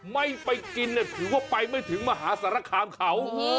ไม่ไปกินถือว่าไปไม่ถึงมหาสารคามเขา